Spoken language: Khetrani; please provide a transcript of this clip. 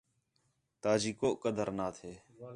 تا جی کُو قدر نا تھے